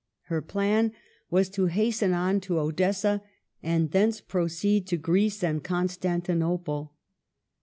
Her plan was to hasten on to Odessa, and thence proceed to Greece and Constantinople.